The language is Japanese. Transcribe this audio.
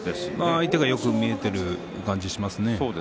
相手がよく見えていると思いますね。